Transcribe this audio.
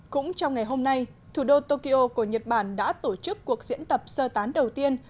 cũng trong ngày hôm nay thủ đô tokyo của nhật bản đã tổ chức cuộc diễn tập sơ tán đầu tiên